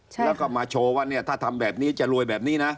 และก็มาโชว์ว่าถ้าทำแบบนี้จะรวยแบบนี่นะ